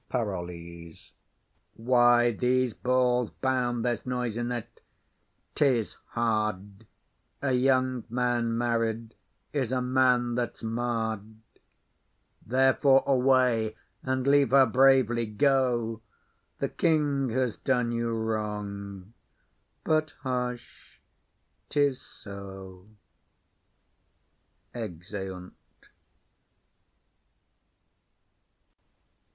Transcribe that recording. PAROLLES. Why, these balls bound; there's noise in it. 'Tis hard: A young man married is a man that's marr'd. Therefore away, and leave her bravely; go. The king has done you wrong; but hush 'tis so. [_Exeunt.